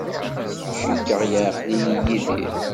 Cikkeɣ yeɛqel-iyi Yidir.